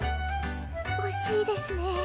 惜しいですね。